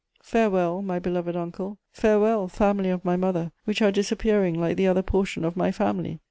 Farewell, my beloved uncle! Farewell, family of my mother, which are disappearing like the other portion of my family!